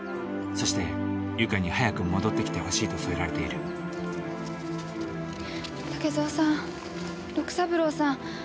そしてゆかに早く戻ってきてほしいと添えられている竹蔵さん六三郎さん